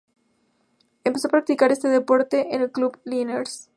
Empezó a practicar este deporte en el Club Liniers.